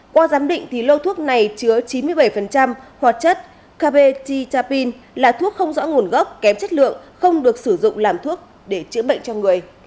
qua giám định lô thuốc này chứa chín mươi bảy hoạt chất kva pin là thuốc không rõ nguồn gốc kém chất lượng không được sử dụng làm thuốc để chữa bệnh cho người